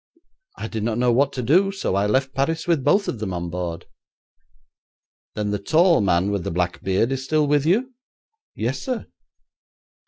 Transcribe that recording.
I did not know what to do, so I left Paris with both of them on board.' 'Then the tall man with the black beard is still with you?' 'Yes, sir.'